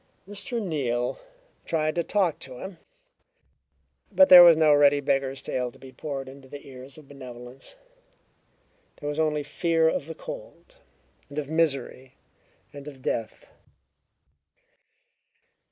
Mr. Neal tried to talk to him, but there was no ready beggar's tale to be poured into the ears of benevolence; there was only fear of the cold, and of misery, and of death.